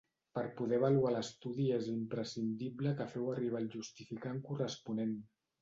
Per poder avaluar l'estudi és imprescindible que feu arribar el justificant corresponent.